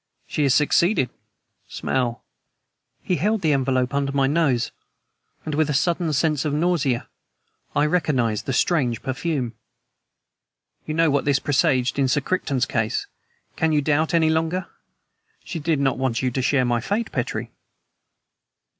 "She has succeeded. Smell." He held the envelope under my nose, and, with a sudden sense of nausea, I recognized the strange perfume. "You know what this presaged in Sir Crichton's case? Can you doubt any longer? She did not want you to share my fate, Petrie."